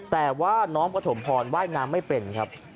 แต่ว่าน้องปฐมพรว่ายน้ำไม่เป็นครับ